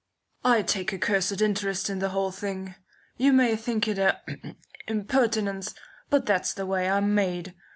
"I take a cursed interest in the whole thing. You may think it a impertinence, but that's the way I'm made.